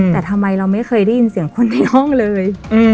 แต่ทำไมเราไม่เคยได้ยินเสียงคนในห้องเลย